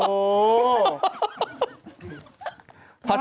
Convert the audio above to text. โอ้โห